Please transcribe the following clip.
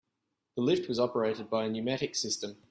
The lift was operated by a pneumatic system.